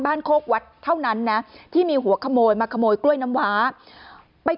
โคกวัดเท่านั้นนะที่มีหัวขโมยมาขโมยกล้วยน้ำว้าไป